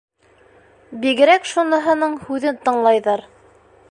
Бигерәк шуныһының һүҙен тыңлайҙар.